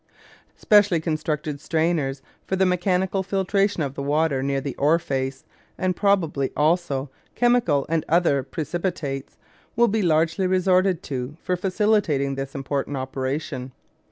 Specially constructed strainers for the mechanical filtration of the water near the ore face, and probably, also, chemical and other precipitates, will be largely resorted to for facilitating this important operation.